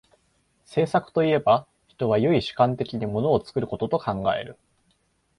製作といえば、人は唯主観的に物を作ることと考える。